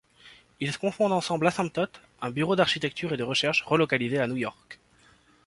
Ils cofondent ensemble Asymptote, un bureau d’architecture et de recherche relocalisé à New York.